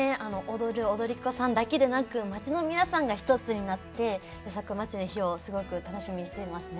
踊る踊り子さんだけでなく町の皆さんが一つになってよさこい祭りの日をすごく楽しみにしていますね。